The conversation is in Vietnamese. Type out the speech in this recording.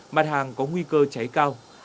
mặt hàng có nguy cơ cháy cao